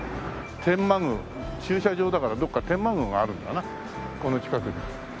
「天満宮駐車場」だからどっか天満宮があるんだなこの近くに。